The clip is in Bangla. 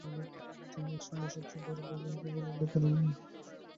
তিনি একে সময়ের সবচেয়ে বড় ভয়াবহতা বলে উল্লেখ করে।